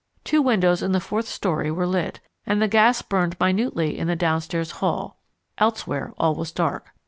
Two windows in the fourth storey were lit, and the gas burned minutely in the downstairs hall, elsewhere all was dark.